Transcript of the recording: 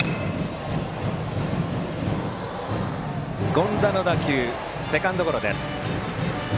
権田の打球はセカンドゴロです。